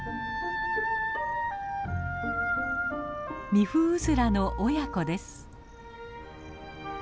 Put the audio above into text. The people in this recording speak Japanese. ミフウズラの親子です。